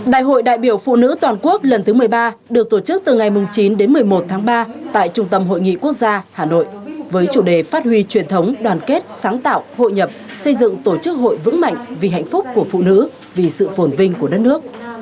đại hội đại biểu phụ nữ toàn quốc lần thứ một mươi ba được tổ chức từ ngày chín đến một mươi một tháng ba tại trung tâm hội nghị quốc gia hà nội với chủ đề phát huy truyền thống đoàn kết sáng tạo hội nhập xây dựng tổ chức hội vững mạnh vì hạnh phúc của phụ nữ vì sự phồn vinh của đất nước